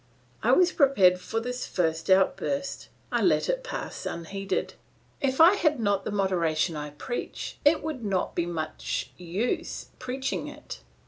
I was prepared for this first outburst; I let it pass unheeded. If I had not the moderation I preach it would not be much use preaching it!